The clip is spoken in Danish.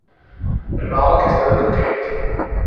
Men meget kan stadig gå galt.